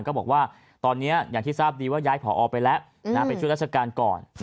ก็บอกว่าตอนนี้อย่างที่ทราบดีว่าย้ายผอไปแล้วไปช่วยราชการก่อน